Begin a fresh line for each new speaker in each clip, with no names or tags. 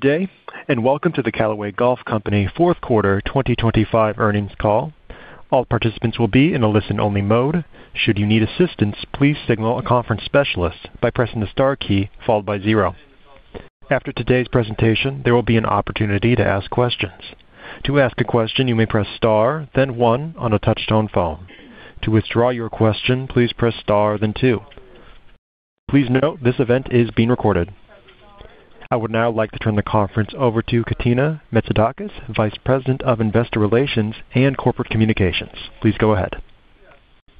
Today, and welcome to the Callaway Golf Company fourth quarter 2025 earnings call. All participants will be in a listen-only mode. Should you need assistance, please signal a conference specialist by pressing the star key followed by zero. After today's presentation, there will be an opportunity to ask questions. To ask a question, you may press star, then one on a Touch-Tone phone. To withdraw your question, please press star then two. Please note this event is being recorded. I would now like to turn the conference over to Katina Metzidakis, Vice President of Investor Relations and Corporate Communications. Please go ahead.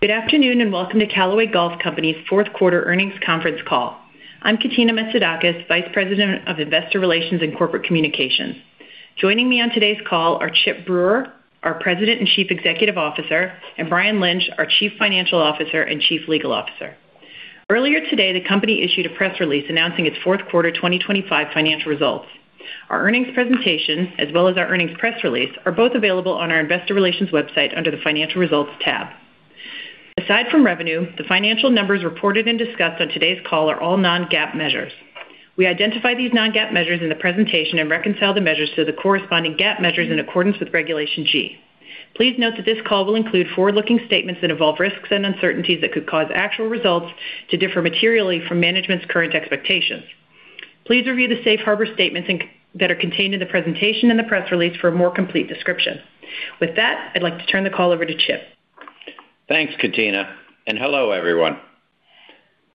Good afternoon, and welcome to Callaway Golf Company's fourth quarter earnings conference call. I'm Katina Metzidakis, Vice President of Investor Relations and Corporate Communications. Joining me on today's call are Chip Brewer, our President and Chief Executive Officer, and Brian Lynch, our Chief Financial Officer and Chief Legal Officer. Earlier today, the company issued a press release announcing its fourth quarter 2025 financial results. Our earnings presentation, as well as our earnings press release, are both available on our investor relations website under the Financial Results tab. Aside from revenue, the financial numbers reported and discussed on today's call are all non-GAAP measures. We identify these non-GAAP measures in the presentation and reconcile the measures to the corresponding GAAP measures in accordance with Regulation G. Please note that this call will include forward-looking statements that involve risks and uncertainties that could cause actual results to differ materially from management's current expectations. Please review the safe harbor statements and that are contained in the presentation and the press release for a more complete description. With that, I'd like to turn the call over to Chip.
Thanks, Katina, and hello, everyone.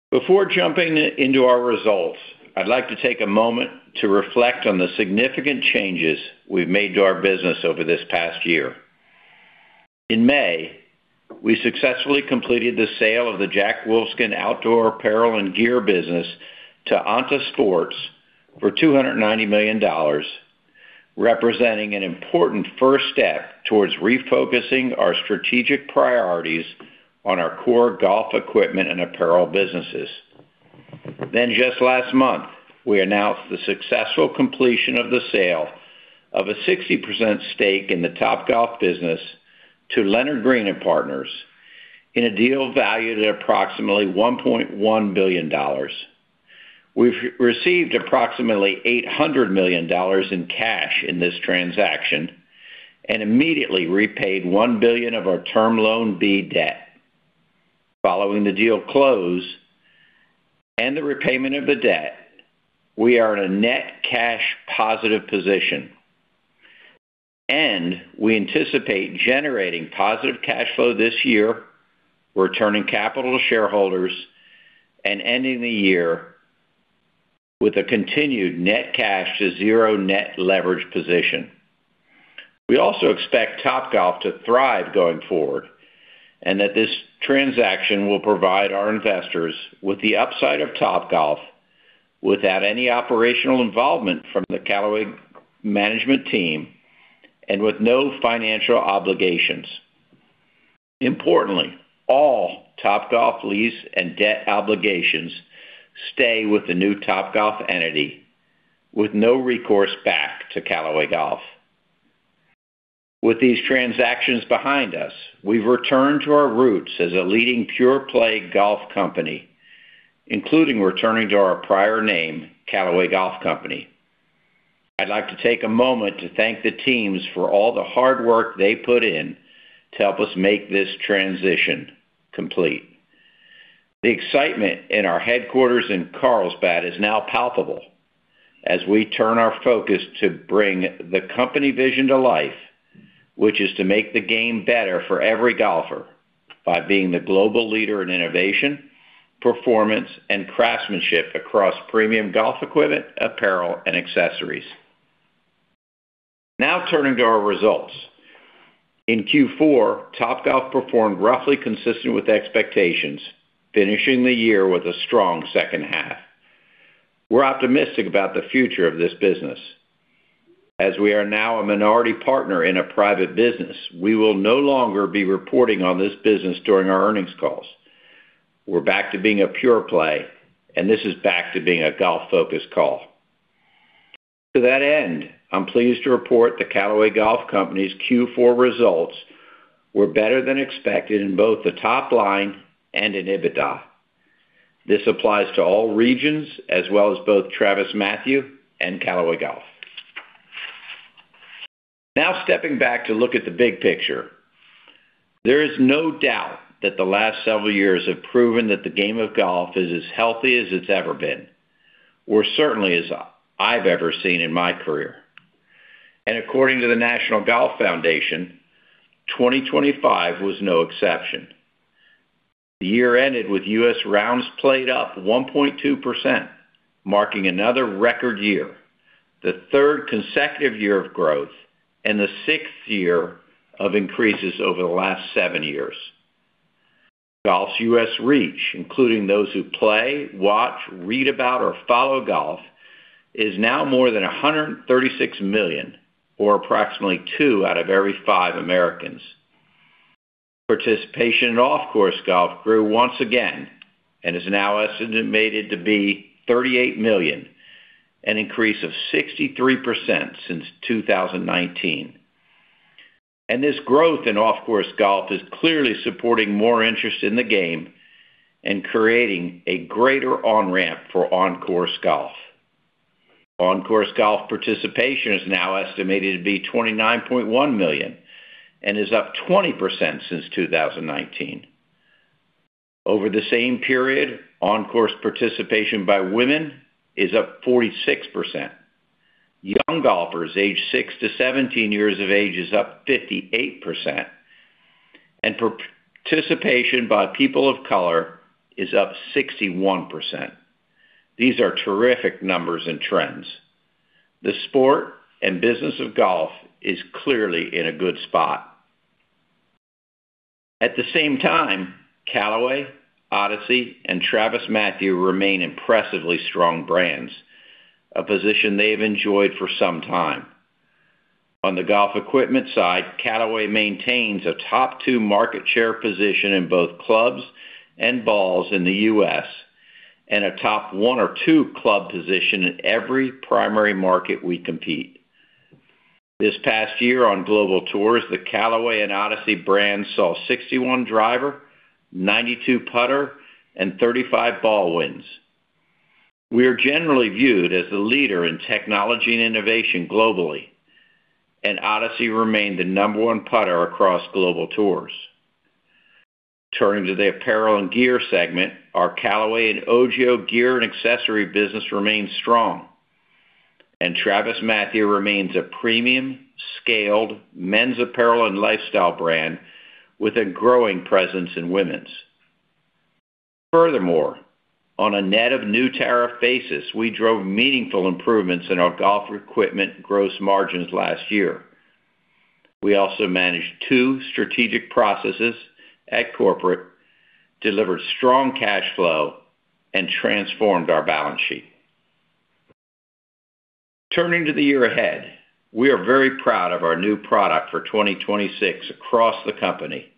Before jumping into our results, I'd like to take a moment to reflect on the significant changes we've made to our business over this past year. In May, we successfully completed the sale of the Jack Wolfskin outdoor apparel and gear business to ANTA Sports for $290 million, representing an important first step towards refocusing our strategic priorities on our core golf equipment and apparel businesses. Then, just last month, we announced the successful completion of the sale of a 60% stake in the Topgolf business to Leonard Green & Partners in a deal valued at approximately $1.1 billion. We've received approximately $800 million in cash in this transaction and immediately repaid $1 billion of our Term Loan B debt. Following the deal close and the repayment of the debt, we are in a net cash positive position, and we anticipate generating positive cash flow this year, returning capital to shareholders and ending the year with a continued net cash to zero net leverage position. We also expect Topgolf to thrive going forward and that this transaction will provide our investors with the upside of Topgolf without any operational involvement from the Callaway management team and with no financial obligations. Importantly, all Topgolf lease and debt obligations stay with the new Topgolf entity with no recourse back to Callaway Golf. With these transactions behind us, we've returned to our roots as a leading pure-play golf company, including returning to our prior name, Callaway Golf Company. I'd like to take a moment to thank the teams for all the hard work they put in to help us make this transition complete. The excitement in our headquarters in Carlsbad is now palpable as we turn our focus to bring the company vision to life, which is to make the game better for every golfer by being the global leader in innovation, performance, and craftsmanship across premium golf equipment, apparel, and accessories. Now turning to our results. In Q4, Topgolf performed roughly consistent with expectations, finishing the year with a strong second half. We're optimistic about the future of this business. As we are now a minority partner in a private business, we will no longer be reporting on this business during our earnings calls. We're back to being a pure play, and this is back to being a golf-focused call. To that end, I'm pleased to report that Callaway Golf Company's Q4 results were better than expected in both the top line and in EBITDA. This applies to all regions as well as both TravisMathew and Callaway Golf. Now, stepping back to look at the big picture, there is no doubt that the last several years have proven that the game of golf is as healthy as it's ever been, or certainly as I've ever seen in my career. According to the National Golf Foundation, 2025 was no exception. The year ended with US rounds played up 1.2%, marking another record year, the third consecutive year of growth and the sixth year of increases over the last seven years. Golf's U.S. reach, including those who play, watch, read about, or follow golf, is now more than 136 million, or approximately two out of every five Americans. Participation in off-course golf grew once again and is now estimated to be 38 million, an increase of 63% since 2019. This growth in off-course golf is clearly supporting more interest in the game and creating a greater on-ramp for on-course golf. On-course golf participation is now estimated to be 29.1 million and is up 20% since 2019. Over the same period, on-course participation by women is up 46%. Young golfers aged six to 17 years of age is up 58%, and participation by people of color is up 61%. These are terrific numbers and trends. The sport and business of golf is clearly in a good spot. At the same time, Callaway, Odyssey, and TravisMathew remain impressively strong brands, a position they've enjoyed for some time. On the golf equipment side, Callaway maintains a top two market share position in both clubs and balls in the U.S., and a top one or two club position in every primary market we compete. This past year on global tours, the Callaway and Odyssey brands saw 61 driver, 92 putter, and 35 ball wins. We are generally viewed as the leader in technology and innovation globally, and Odyssey remained the number one putter across global tours. Turning to the apparel and gear segment, our Callaway and OGIO gear and accessory business remains strong, and TravisMathew remains a premium, scaled men's apparel and lifestyle brand with a growing presence in women's. Furthermore, on a net of new tariff basis, we drove meaningful improvements in our golf equipment gross margins last year. We also managed two strategic processes at corporate, delivered strong cash flow, and transformed our balance sheet. Turning to the year ahead, we are very proud of our new product for 2026 across the company,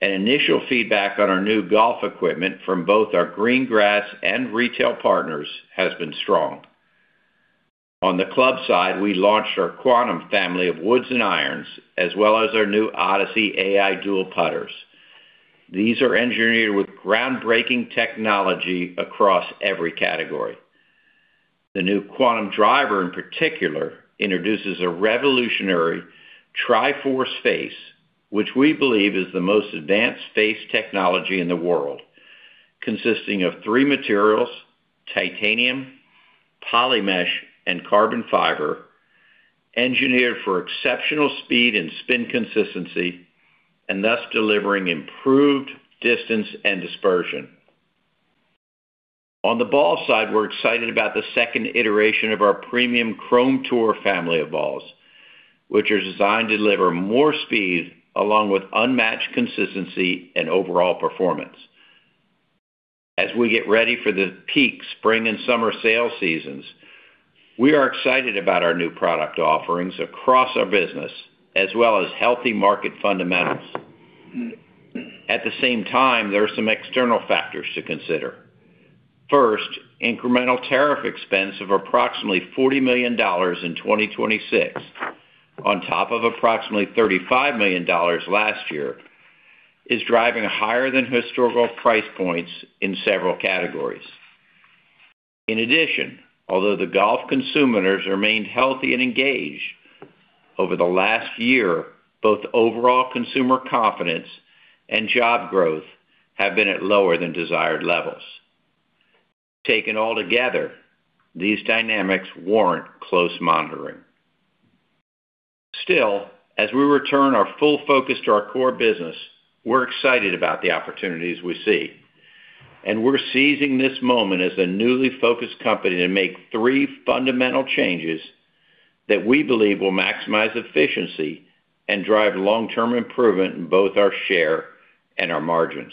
and initial feedback on our new golf equipment from both our Green Grass and retail partners has been strong. On the club side, we launched our Quantum family of woods and irons, as well as our new Odyssey Ai Dual putters. These are engineered with groundbreaking technology across every category. The new Quantum driver, in particular, introduces a revolutionary Tri-Force Face, which we believe is the most advanced face technology in the world, consisting of three materials: titanium, poly mesh, and carbon fiber, engineered for exceptional speed and spin consistency, and thus delivering improved distance and dispersion. On the ball side, we're excited about the second iteration of our premium Chrome Tour family of balls, which are designed to deliver more speed, along with unmatched consistency and overall performance. As we get ready for the peak spring and summer sales seasons, we are excited about our new product offerings across our business, as well as healthy market fundamentals. At the same time, there are some external factors to consider. First, incremental tariff expense of approximately $40 million in 2026, on top of approximately $35 million last year, is driving higher than historical price points in several categories. In addition, although the golf consumers remained healthy and engaged over the last year, both overall consumer confidence and job growth have been at lower than desired levels. Taken altogether, these dynamics warrant close monitoring. Still, as we return our full focus to our core business, we're excited about the opportunities we see, and we're seizing this moment as a newly focused company to make three fundamental changes that we believe will maximize efficiency and drive long-term improvement in both our share and our margins.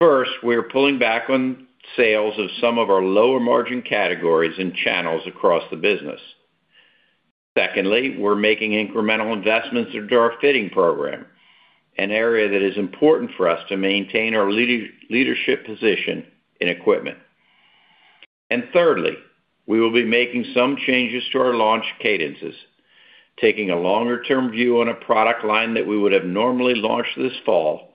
First, we are pulling back on sales of some of our lower-margin categories and channels across the business. Secondly, we're making incremental investments into our fitting program, an area that is important for us to maintain our leadership position in equipment. And thirdly, we will be making some changes to our launch cadences, taking a longer-term view on a product line that we would have normally launched this fall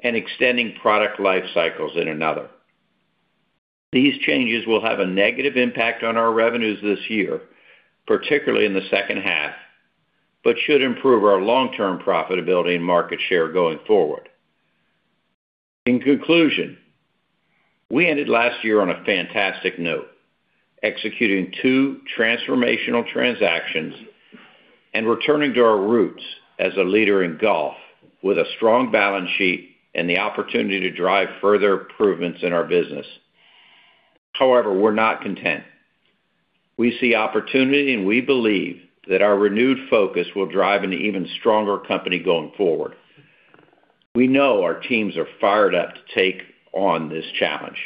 and extending product life cycles in another. These changes will have a negative impact on our revenues this year, particularly in the second half, but should improve our long-term profitability and market share going forward. In conclusion, we ended last year on a fantastic note, executing two transformational transactions and returning to our roots as a leader in golf, with a strong balance sheet and the opportunity to drive further improvements in our business. However, we're not content. We see opportunity, and we believe that our renewed focus will drive an even stronger company going forward. We know our teams are fired up to take on this challenge.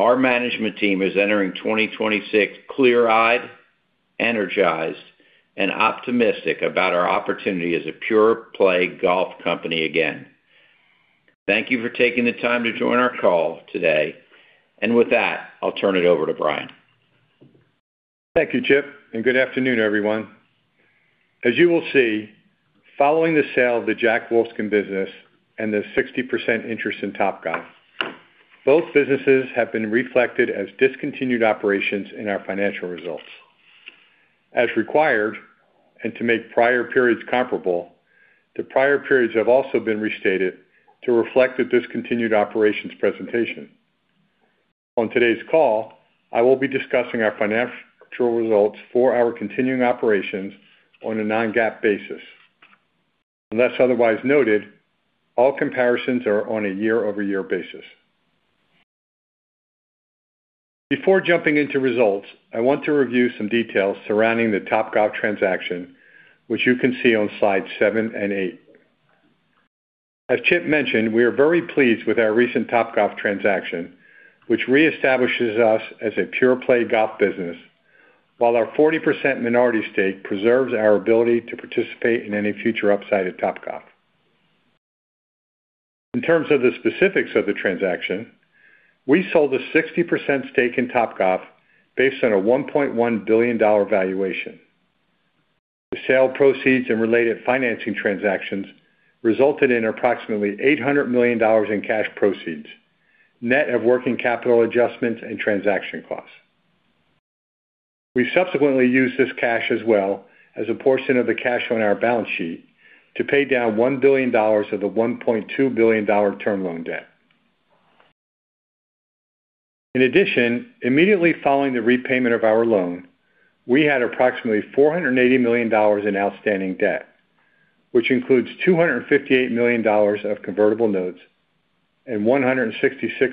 Our management team is entering 2026 clear-eyed, energized, and optimistic about our opportunity as a pure play golf company again. Thank you for taking the time to join our call today. And with that, I'll turn it over to Brian.
Thank you, Chip, and good afternoon, everyone. As you will see, following the sale of the Jack Wolfskin business and the 60% interest in Topgolf, both businesses have been reflected as discontinued operations in our financial results. As required, and to make prior periods comparable, the prior periods have also been restated to reflect the discontinued operations presentation. On today's call, I will be discussing our financial results for our continuing operations on a non-GAAP basis. Unless otherwise noted, all comparisons are on a year-over-year basis. Before jumping into results, I want to review some details surrounding the Topgolf transaction, which you can see on slides seven and eight. As Chip mentioned, we are very pleased with our recent Topgolf transaction, which reestablishes us as a pure-play golf business, while our 40% minority stake preserves our ability to participate in any future upside at Topgolf. In terms of the specifics of the transaction, we sold a 60% stake in Topgolf based on a $1.1 billion valuation. The sale proceeds and related financing transactions resulted in approximately $800 million in cash proceeds, net of working capital adjustments and transaction costs. We subsequently used this cash as well as a portion of the cash on our balance sheet to pay down $1 billion of the $1.2 billion term loan debt. In addition, immediately following the repayment of our loan, we had approximately $480 million in outstanding debt, which includes $258 million of convertible notes and $166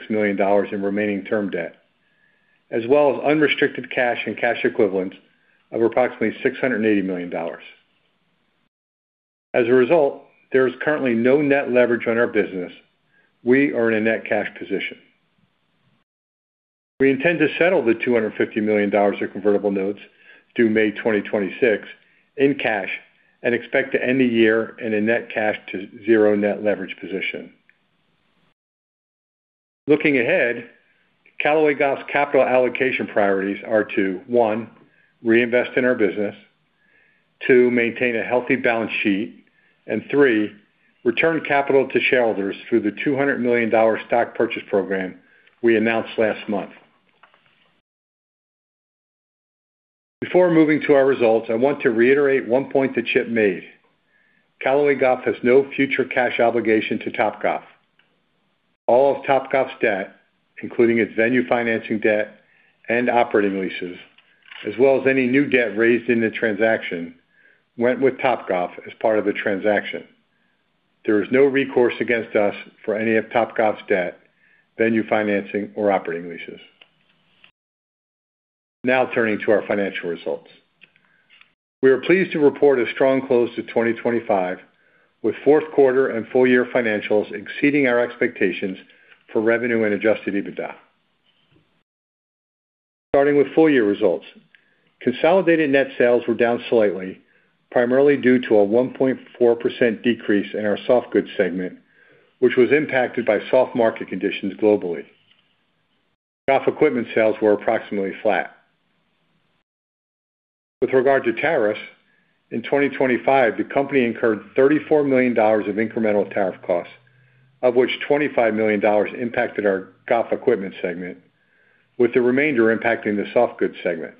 million in remaining term debt, as well as unrestricted cash and cash equivalents of approximately $680 million. As a result, there is currently no net leverage on our business. We are in a net cash position. We intend to settle the $250 million of convertible notes, due May 2026, in cash and expect to end the year in a net cash to zero net leverage position. Looking ahead, Callaway Golf's capital allocation priorities are to, one, reinvest in our business, two, maintain a healthy balance sheet, and three, return capital to shareholders through the $200 million stock purchase program we announced last month. Before moving to our results, I want to reiterate one point that Chip made. Callaway Golf has no future cash obligation to Topgolf. All of Topgolf's debt, including its venue financing debt and operating leases, as well as any new debt raised in the transaction, went with Topgolf as part of the transaction. There is no recourse against us for any of Topgolf's debt, venue financing, or operating leases. Now turning to our financial results. We are pleased to report a strong close to 2025, with fourth quarter and full year financials exceeding our expectations for revenue and Adjusted EBITDA. Starting with full year results, consolidated net sales were down slightly, primarily due to a 1.4% decrease in our soft goods segment, which was impacted by soft market conditions globally. Golf equipment sales were approximately flat. With regard to tariffs, in 2025, the company incurred $34 million of incremental tariff costs, of which $25 million impacted our golf equipment segment, with the remainder impacting the soft goods segment.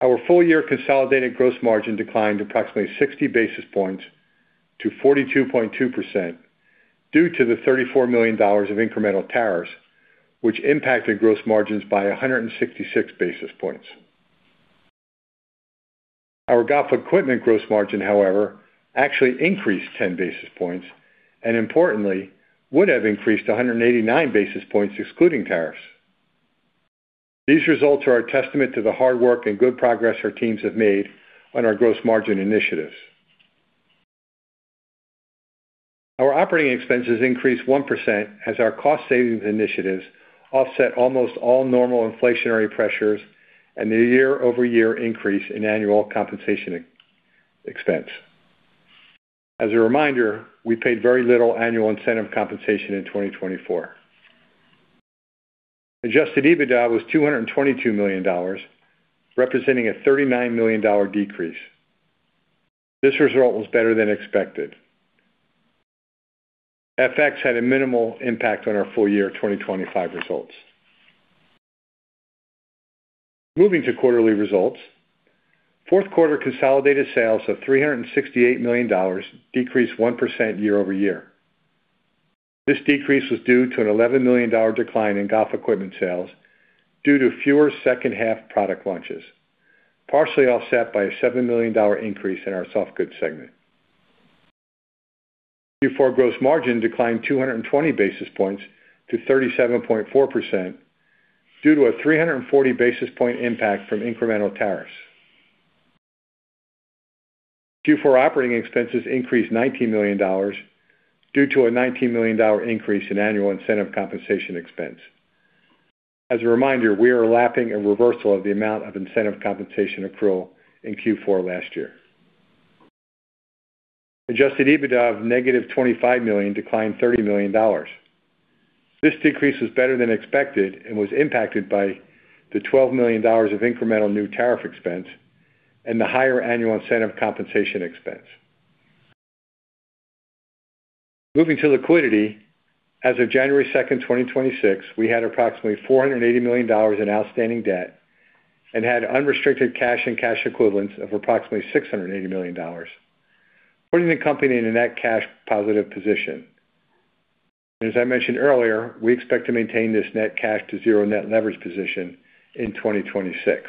Our full-year consolidated gross margin declined approximately 60 basis points to 42.2%, due to the $34 million of incremental tariffs, which impacted gross margins by 166 basis points. Our golf equipment gross margin, however, actually increased 10 basis points and importantly, would have increased 189 basis points excluding tariffs. These results are a testament to the hard work and good progress our teams have made on our gross margin initiatives. Our operating expenses increased 1%, as our cost savings initiatives offset almost all normal inflationary pressures and the year-over-year increase in annual compensation expense. As a reminder, we paid very little annual incentive compensation in 2024. Adjusted EBITDA was $222 million, representing a $39 million decrease. This result was better than expected. FX had a minimal impact on our full year 2025 results. Moving to quarterly results. Fourth quarter consolidated sales of $368 million decreased 1% year-over-year. This decrease was due to an $11 million decline in golf equipment sales due to fewer second half product launches, partially offset by a $7 million increase in our soft goods segment. Q4 gross margin declined 220 basis points to 37.4%, due to a 340 basis point impact from incremental tariffs. Q4 operating expenses increased $19 million due to a $19 million increase in annual incentive compensation expense. As a reminder, we are lapping a reversal of the amount of incentive compensation accrual in Q4 last year. Adjusted EBITDA of -$25 million declined $30 million. This decrease was better than expected and was impacted by the $12 million of incremental new tariff expense and the higher annual incentive compensation expense. Moving to liquidity, as of January 2nd, 2026, we had approximately $480 million in outstanding debt and had unrestricted cash and cash equivalents of approximately $680 million, putting the company in a net cash positive position. And as I mentioned earlier, we expect to maintain this net cash to zero net leverage position in 2026.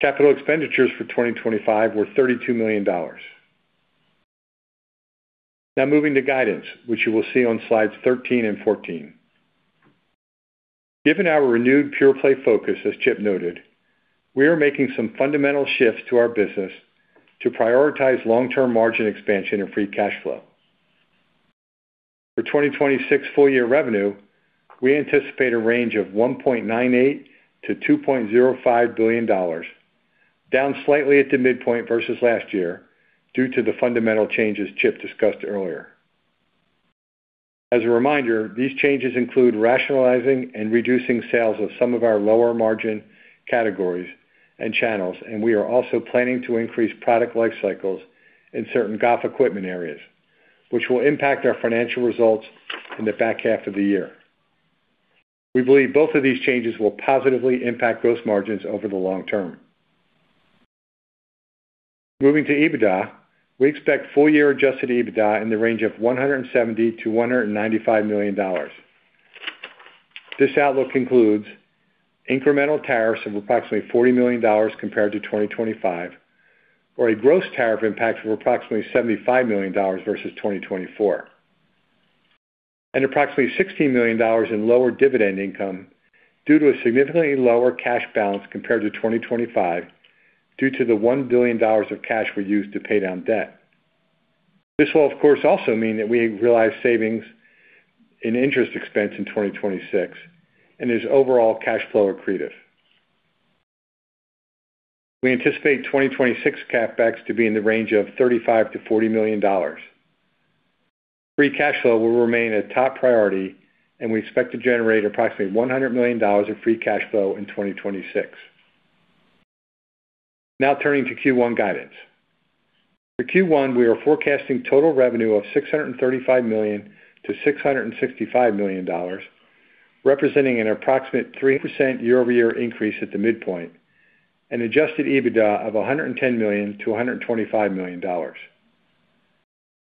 Capital expenditures for 2025 were $32 million. Now moving to guidance, which you will see on slides 13 and 14. Given our renewed pure play focus, as Chip noted, we are making some fundamental shifts to our business to prioritize long-term margin expansion and free cash flow. For 2026 full year revenue, we anticipate a range of $1.98 billion-$2.05 billion, down slightly at the midpoint versus last year, due to the fundamental changes Chip discussed earlier. As a reminder, these changes include rationalizing and reducing sales of some of our lower margin categories and channels, and we are also planning to increase product life cycles in certain golf equipment areas, which will impact our financial results in the back half of the year. We believe both of these changes will positively impact gross margins over the long term. Moving to EBITDA, we expect full year adjusted EBITDA in the range of $170 million-$195 million. This outlook includes incremental tariffs of approximately $40 million compared to 2025, or a gross tariff impact of approximately $75 million versus 2024, and approximately $16 million in lower dividend income due to a significantly lower cash balance compared to 2025, due to the $1 billion of cash we used to pay down debt. This will, of course, also mean that we realize savings in interest expense in 2026 and is overall cash flow accretive. We anticipate 2026 CapEx to be in the range of $35 million-$40 million. Free cash flow will remain a top priority, and we expect to generate approximately $100 million of free cash flow in 2026. Now turning to Q1 guidance. For Q1, we are forecasting total revenue of $635 million-$665 million, representing an approximate 3% year-over-year increase at the midpoint, and Adjusted EBITDA of $110 million-$125 million.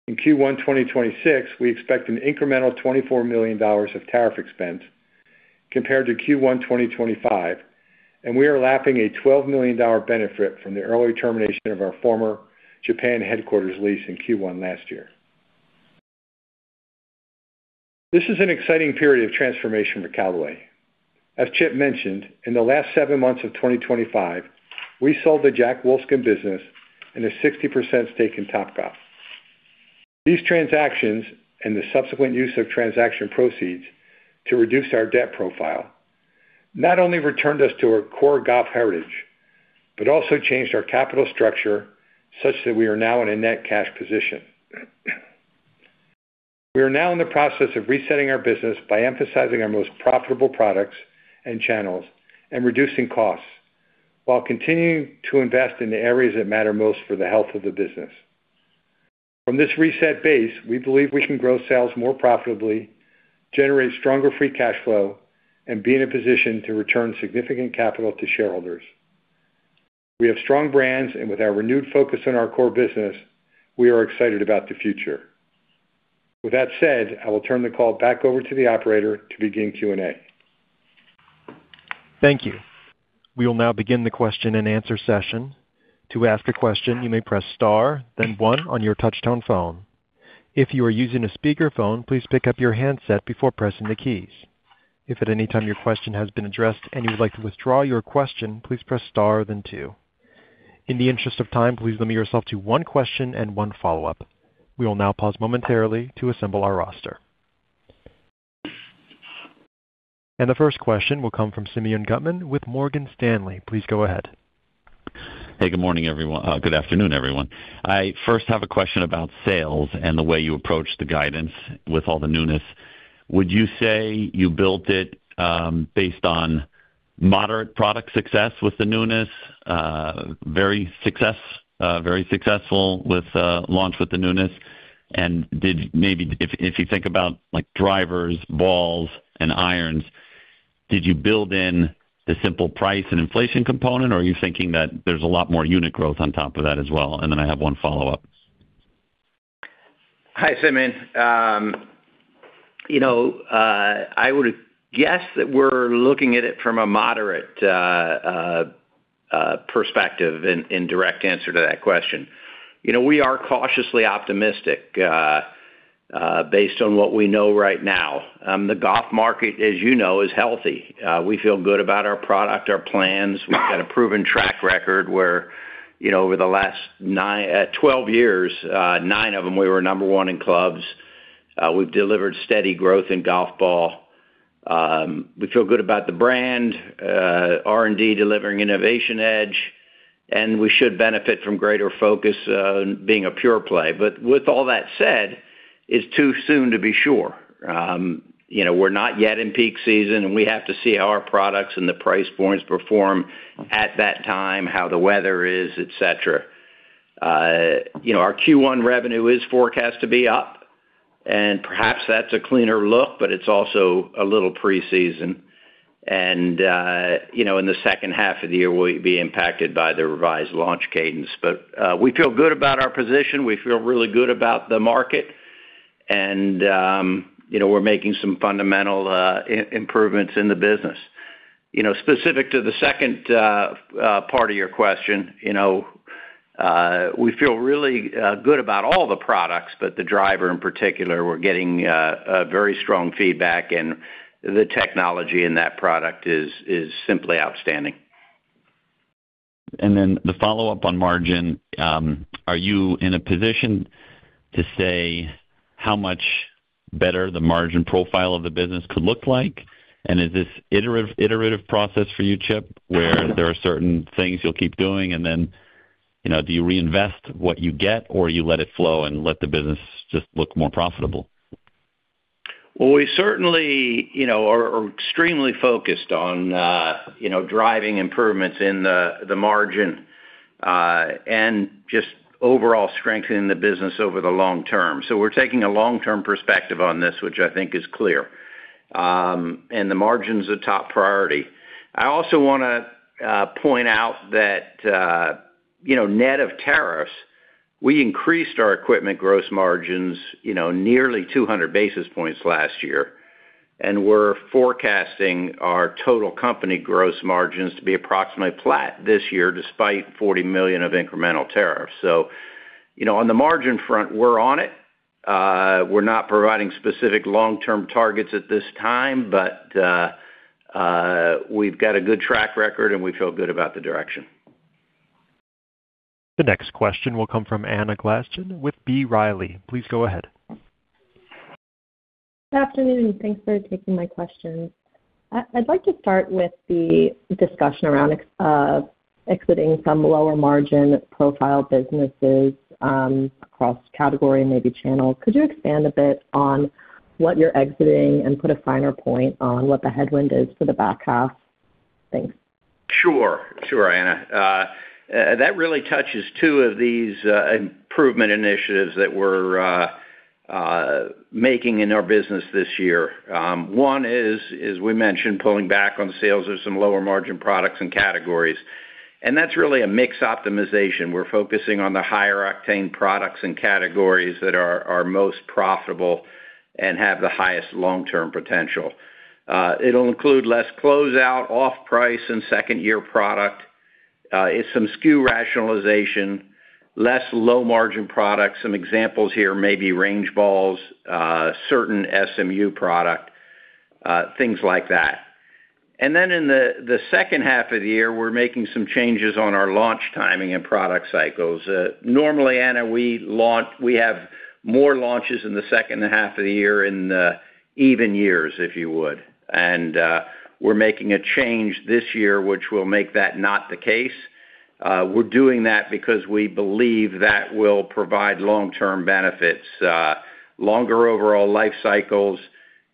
In Q1 2026, we expect an incremental $24 million of tariff expense compared to Q1 2025, and we are lapping a $12 million benefit from the early termination of our former Japan headquarters lease in Q1 last year. This is an exciting period of transformation for Callaway. As Chip mentioned, in the last seven months of 2025, we sold the Jack Wolfskin business and a 60% stake in Topgolf. These transactions, and the subsequent use of transaction proceeds to reduce our debt profile, not only returned us to our core golf heritage, but also changed our capital structure such that we are now in a net cash position. We are now in the process of resetting our business by emphasizing our most profitable products and channels and reducing costs, while continuing to invest in the areas that matter most for the health of the business. From this reset base, we believe we can grow sales more profitably, generate stronger free cash flow, and be in a position to return significant capital to shareholders. We have strong brands, and with our renewed focus on our core business, we are excited about the future. With that said, I will turn the call back over to the operator to begin Q&A.
Thank you. We will now begin the question and answer session. To ask a question, you may press star, then one on your touchtone phone. If you are using a speakerphone, please pick up your handset before pressing the keys. If at any time your question has been addressed and you would like to withdraw your question, please press star, then two. In the interest of time, please limit yourself to one question and one follow-up. We will now pause momentarily to assemble our roster. The first question will come from Simeon Gutman with Morgan Stanley. Please go ahead.
Hey, good morning, everyone—good afternoon, everyone. I first have a question about sales and the way you approach the guidance with all the newness. Would you say you built it based on moderate product success with the newness? Very successful with launch with the newness. And if you think about like drivers, balls, and irons, did you build in the simple price and inflation component, or are you thinking that there's a lot more unit growth on top of that as well? And then I have one follow-up.
Hi, Simeon. You know, I would guess that we're looking at it from a moderate perspective in direct answer to that question. You know, we are cautiously optimistic based on what we know right now. The golf market, as you know, is healthy. We feel good about our product, our plans. We've got a proven track record where. Over the last nine, 12 years, nine of them, we were number one in clubs. We've delivered steady growth in golf ball. We feel good about the brand, R&D delivering innovation edge, and we should benefit from greater focus, being a pure play. But with all that said, it's too soon to be sure. You know, we're not yet in peak season, and we have to see how our products and the price points perform at that time, how the weather is, et cetera. You know, our Q1 revenue is forecast to be up, and perhaps that's a cleaner look, but it's also a little preseason. And, you know, in the second half of the year, we'll be impacted by the revised launch cadence. But, we feel good about our position. We feel really good about the market, and you know, we're making some fundamental improvements in the business. You know, specific to the second part of your question, you know, we feel really good about all the products, but the driver in particular, we're getting a very strong feedback, and the technology in that product is simply outstanding.
Then the follow-up on margin, are you in a position to say how much better the margin profile of the business could look like? And is this iterative process for you, Chip, where there are certain things you'll keep doing, and then, you know, do you reinvest what you get, or you let it flow and let the business just look more profitable?
Well, we certainly, you know, are extremely focused on, you know, driving improvements in the margin, and just overall strengthening the business over the long term. So we're taking a long-term perspective on this, which I think is clear. And the margin's a top priority. I also want to point out that, you know, net of tariffs, we increased our equipment gross margins, you know, nearly 200 basis points last year, and we're forecasting our total company gross margins to be approximately flat this year, despite $40 million of incremental tariffs. So, you know, on the margin front, we're on it. We're not providing specific long-term targets at this time, but, we've got a good track record, and we feel good about the direction.
The next question will come from Anna Glaessgen with B. Riley. Please go ahead.
Good afternoon, and thanks for taking my question. I'd like to start with the discussion around exiting some lower margin profile businesses, across category and maybe channel. Could you expand a bit on what you're exiting and put a finer point on what the headwind is for the back half? Thanks.
Sure, sure, Anna. That really touches two of these improvement initiatives that we're making in our business this year. One is, as we mentioned, pulling back on sales of some lower margin products and categories. And that's really a mix optimization. We're focusing on the higher octane products and categories that are most profitable and have the highest long-term potential. It'll include less closeout, off-price, and second-year product. It's some SKU rationalization, less low-margin products. Some examples here may be range balls, certain SMU product, things like that. And then in the second half of the year, we're making some changes on our launch timing and product cycles. Normally, Anna, we launch, we have more launches in the second half of the year in the even years, if you would. We're making a change this year, which will make that not the case. We're doing that because we believe that will provide long-term benefits, longer overall life cycles,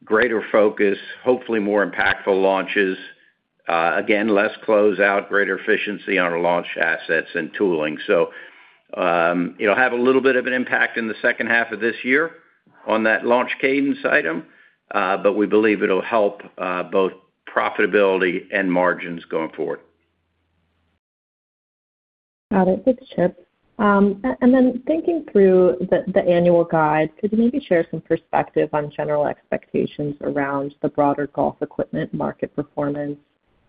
greater focus, hopefully more impactful launches, again, less closeout, greater efficiency on our launch assets and tooling. It'll have a little bit of an impact in the second half of this year on that launch cadence item, but we believe it'll help, both profitability and margins going forward.
Got it. Thanks, Chip. And then thinking through the annual guide, could you maybe share some perspective on general expectations around the broader golf equipment market performance,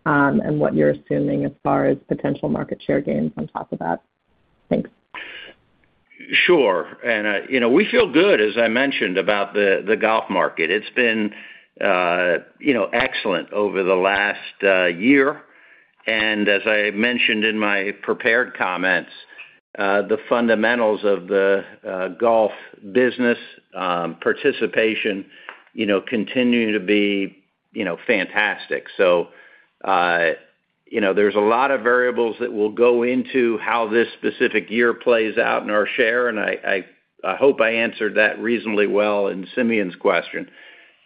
and what you're assuming as far as potential market share gains on top of that? Thanks.
Sure. Anna, you know, we feel good, as I mentioned, about the golf market. It's been, you know, excellent over the last year. And as I mentioned in my prepared comments, the fundamentals of the golf business, participation, you know, continue to be, you know, fantastic. So, you know, there's a lot of variables that will go into how this specific year plays out in our share, and I hope I answered that reasonably well in Simeon's question.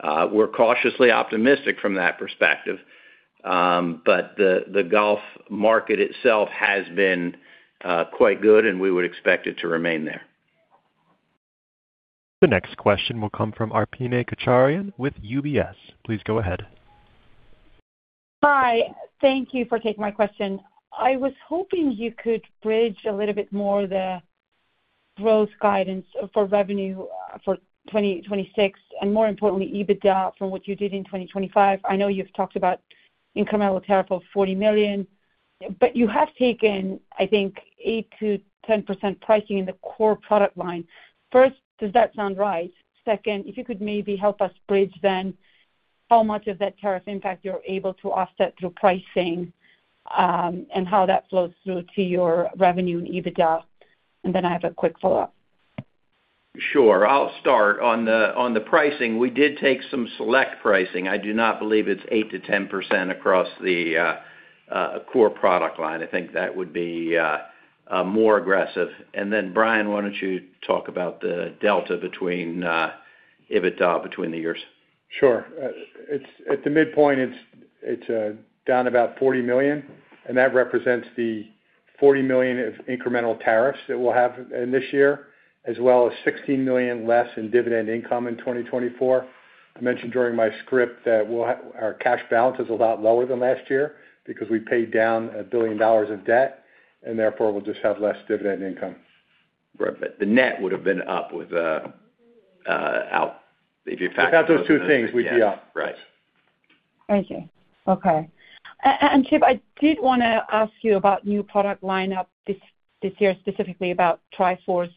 We're cautiously optimistic from that perspective, but the golf market itself has been quite good, and we would expect it to remain there.
The next question will come from Arpine Kocharyan with UBS. Please go ahead.
Hi, thank you for taking my question. I was hoping you could bridge a little bit more the growth guidance for revenue for 2026, and more importantly, EBITDA from what you did in 2025. I know you've talked about incremental tariff of $40 million, but you have taken, I think, 8%-10% pricing in the core product line. First, does that sound right? Second, if you could maybe help us bridge then. How much of that tariff impact you're able to offset through pricing, and how that flows through to your revenue and EBITDA? And then I have a quick follow-up.
Sure, I'll start. On the pricing, we did take some select pricing. I do not believe it's 8%-10% across the core product line. I think that would be more aggressive. And then, Brian, why don't you talk about the delta between EBITDA between the years?
Sure. It's at the midpoint, it's down about $40 million, and that represents the $40 million of incremental tariffs that we'll have in this year, as well as $16 million less in dividend income in 2024. I mentioned during my script that we'll have our cash balance is a lot lower than last year because we paid down $1 billion of debt, and therefore, we'll just have less dividend income.
Right, but the net would've been up without, if you factor.
Without those two things, we'd be up.
Right.
Thank you. Okay. And Chip, I did wanna ask you about new product lineup this year, specifically about Tri-Force.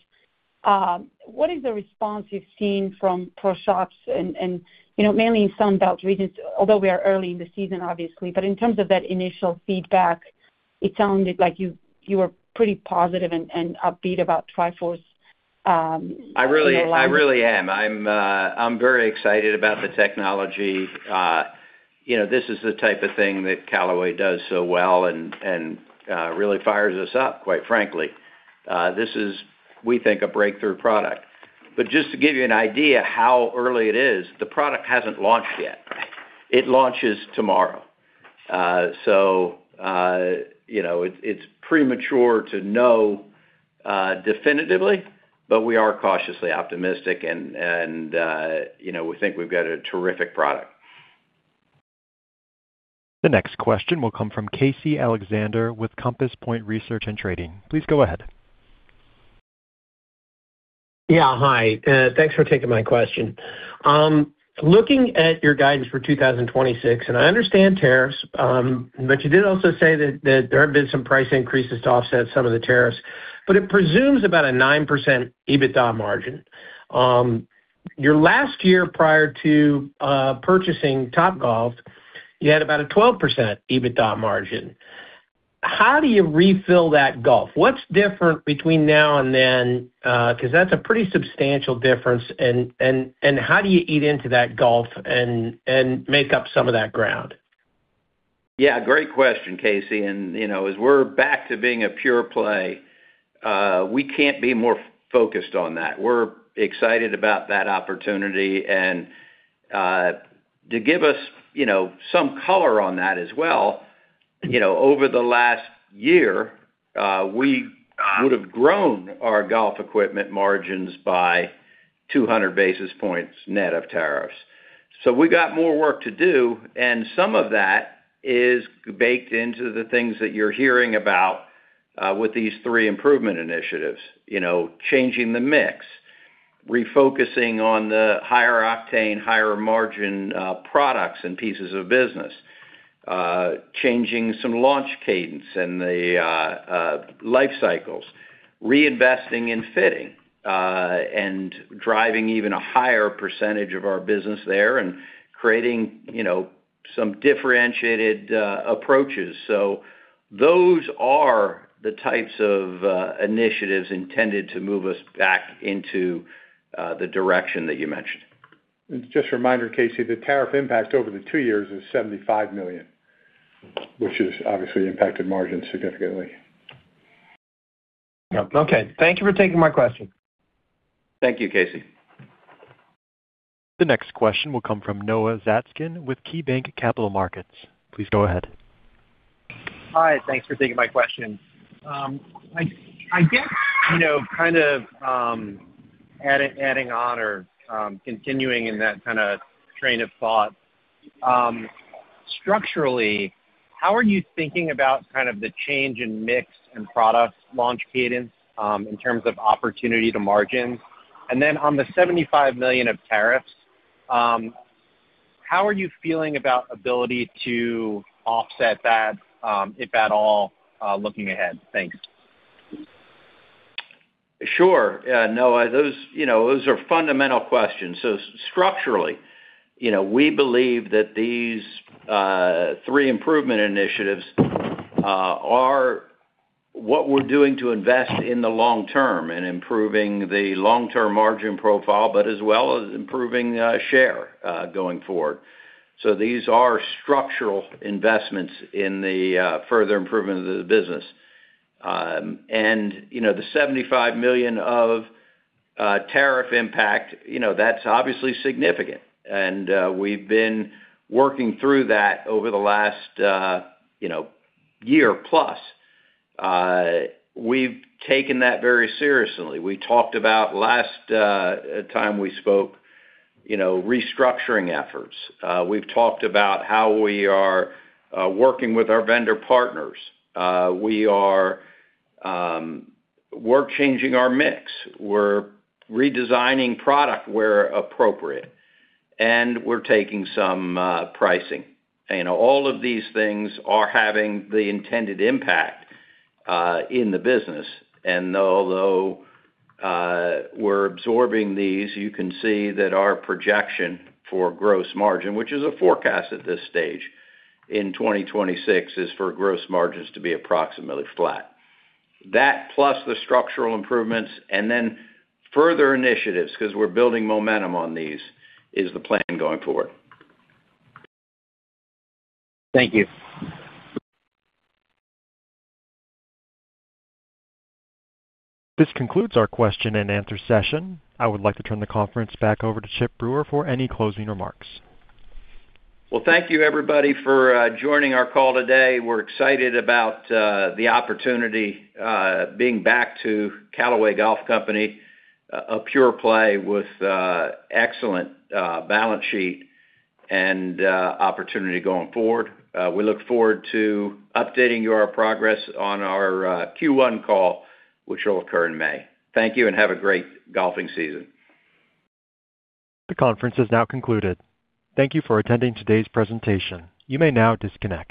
What is the response you've seen from pro shops and, you know, mainly in Sun Belt regions, although we are early in the season, obviously, but in terms of that initial feedback, it sounded like you were pretty positive and upbeat about Tri-Force?
I really, I really am. I'm very excited about the technology. You know, this is the type of thing that Callaway does so well and really fires us up, quite frankly. This is, we think, a breakthrough product. But just to give you an idea how early it is, the product hasn't launched yet. It launches tomorrow. So, you know, it's premature to know definitively, but we are cautiously optimistic, and you know, we think we've got a terrific product.
The next question will come from Casey Alexander with Compass Point Research and Trading. Please go ahead.
Hi. Thanks for taking my question. Looking at your guidance for 2026, and I understand tariffs, but you did also say that, that there have been some price increases to offset some of the tariffs, but it presumes about a 9% EBITDA margin. Your last year prior to purchasing Topgolf, you had about a 12% EBITDA margin. How do you refill that gulf? What's different between now and then? 'Cause that's a pretty substantial difference, and, and, and how do you eat into that gulf and, and make up some of that ground?
Great question, Casey. And, you know, as we're back to being a pure play, we can't be more focused on that. We're excited about that opportunity, and, to give us, you know, some color on that as well, you know, over the last year, we would've grown our golf equipment margins by 200 basis points, net of tariffs. So we got more work to do, and some of that is baked into the things that you're hearing about, with these three improvement initiatives. You know, changing the mix, refocusing on the higher octane, higher margin, products and pieces of business, changing some launch cadence and the, life cycles, reinvesting in fitting, and driving even a higher percentage of our business there and creating, you know, some differentiated, approaches. Those are the types of initiatives intended to move us back into the direction that you mentioned.
Just a reminder, Casey, the tariff impact over the two years is $75 million, which has obviously impacted margins significantly.
Yep. Okay, thank you for taking my question.
Thank you, Casey.
The next question will come from Noah Zatzkin with KeyBanc Capital Markets. Please go ahead.
Hi, thanks for taking my question. I guess, you know, kind of adding on or continuing in that kind of train of thought, structurally, how are you thinking about kind of the change in mix and product launch cadence, in terms of opportunity to margins? And then on the $75 million of tariffs, how are you feeling about ability to offset that, if at all, looking ahead? Thanks.
Sure. Noah, those, you know, those are fundamental questions. Structurally, you know, we believe that these three improvement initiatives are what we're doing to invest in the long term and improving the long-term margin profile, but as well as improving share going forward. So these are structural investments in the further improvement of the business. And, you know, the $75 million of tariff impact, you know, that's obviously significant, and we've been working through that over the last, you know, year plus. We've taken that very seriously. We talked about, last time we spoke, you know, restructuring efforts. We've talked about how we are working with our vendor partners. We're changing our mix. We're redesigning product where appropriate, and we're taking some pricing. All of these things are having the intended impact in the business. Although we're absorbing these, you can see that our projection for gross margin, which is a forecast at this stage, in 2026, is for gross margins to be approximately flat. That, plus the structural improvements and then further initiatives, 'cause we're building momentum on these, is the plan going forward.
Thank you.
This concludes our question and answer session. I would like to turn the conference back over to Chip Brewer for any closing remarks.
Well, thank you, everybody, for joining our call today. We're excited about the opportunity being back to Callaway Golf Company, a pure play with an excellent balance sheet and opportunity going forward. We look forward to updating you on our progress on our Q1 call, which will occur in May. Thank you, and have a great golfing season.
The conference is now concluded. Thank you for attending today's presentation. You may now disconnect.